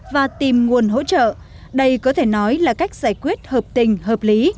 và tìm nguồn hỗ trợ đây có thể nói là cách giải quyết hợp tình hợp lý